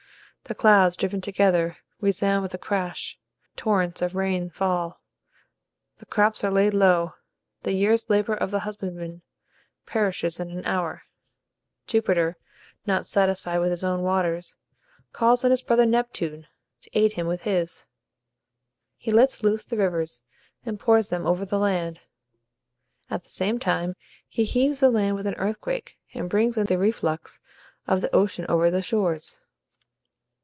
The clouds, driven together, resound with a crash; torrents of rain fall; the crops are laid low; the year's labor of the husbandman perishes in an hour. Jupiter, not satisfied with his own waters, calls on his brother Neptune to aid him with his. He lets loose the rivers, and pours them over the land. At the same time, he heaves the land with an earthquake, and brings in the reflux of the ocean over the shores.